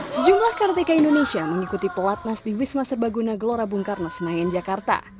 sejumlah karateka indonesia mengikuti pelatnas di wismaster baguna gelora bungkarna senayan jakarta